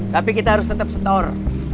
tapi kita harus tetap store